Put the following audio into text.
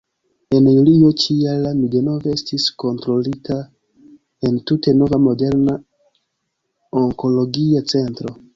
En julio ĉi-jara mi denove estis kontrolita en tute nova moderna onkologia centro.